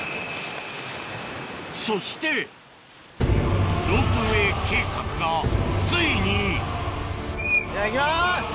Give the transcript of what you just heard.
そしてロープウエー計画がついにじゃあいきます！